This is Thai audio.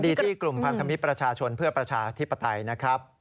ดีที่กลุ่มพันธมิตรประชาชนเพื่อประชาธิปไตยนะครับ